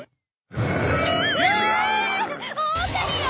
オオカミよ！